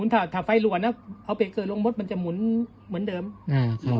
ถ้าไฟล่วนอ่ะเอาลงหมดมันจะหมุนเหมือนเดิมอ่า